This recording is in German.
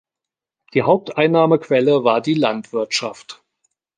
Die Haupteinnahmequelle war die Landwirtschaft.